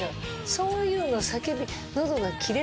そういうのを叫び。